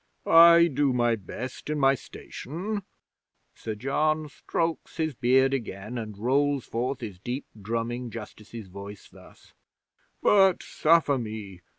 '"I do my best in my station." Sir John strokes his beard again and rolls forth his deep drumming Justice's voice thus: "But suffer me!